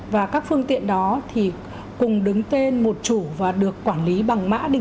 và các phương tiện đó thì cùng đứng tên một chủ và được quản lý bằng máy